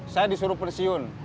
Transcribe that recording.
saya disuruh pensiun